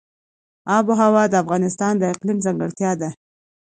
آب وهوا د افغانستان د اقلیم ځانګړتیا ده.